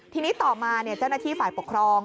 ทีนี้ต่อมาเจ้าหน้าที่ฝ่ายปกครอง